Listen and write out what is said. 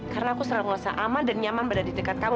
karena aku selalu ngelasah aman dan nyaman berada di dekat kamu